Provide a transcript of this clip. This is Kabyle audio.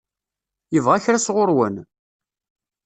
Yebɣa kra sɣur-wen?